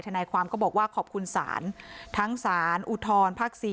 นายความก็บอกว่าขอบคุณศาลทั้งศาลอุทธรภาค๔